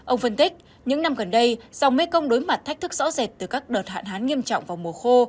ông phân tích những năm gần đây dòng mekong đối mặt thách thức rõ rệt từ các đợt hạn hán nghiêm trọng vào mùa khô